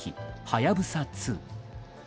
「はやぶさ２」。